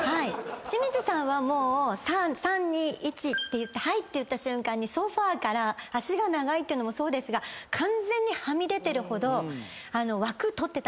清水さんは３２１はいって言った瞬間にソファから足が長いっていうのもそうですが完全にはみ出てるほど枠取ってたんですけど。